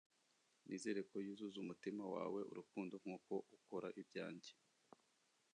nizere ko yuzuza umutima wawe urukundo nkuko ukora ibyanjye